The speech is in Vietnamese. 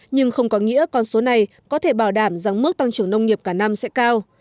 nhưng không có nghĩa con số này có thể bảo đảm rằng mức tăng trưởng nông nghiệp cả năm sẽ cao